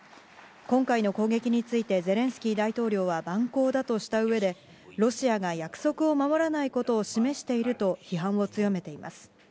今回の攻撃について、ゼレンスキー大統領は蛮行だとしたうえで、ロシアが約束を守らないことを示していると、批判を強めています。